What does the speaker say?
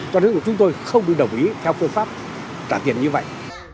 cho nên chúng tôi không được đồng ý theo phương pháp trả tiền như vậy